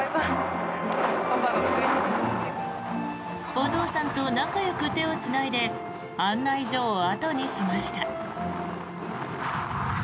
お父さんと仲よく手をつないで案内所を後にしました。